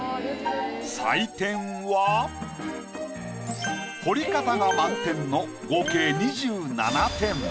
採点は彫り方が満点の合計２７点。